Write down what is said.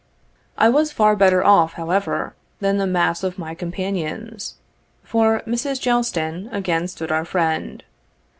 I was far better off, however, than the mass of my companions ; for Mrs. G elston again stood our friend.